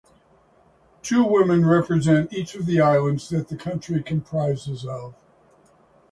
Two women represent each of the islands that the country comprises of.